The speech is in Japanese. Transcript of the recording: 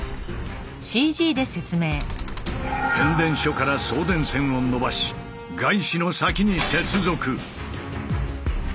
変電所から送電線を延ばしガイシの先に接続。